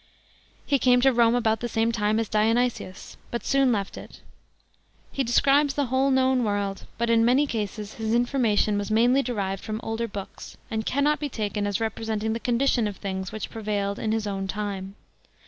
He came to Rome about the same time as Dionysius, but soon left it. He describes the whole known world, but in many cases his information was mainly derived from older books, and cannot be taken as representing the condition of things which pre vailed in his own time.